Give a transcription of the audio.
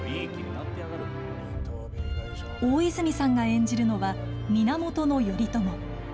大泉さんが演じるのは源頼朝。